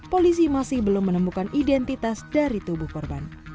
polisi masih belum menemukan identitas perempuan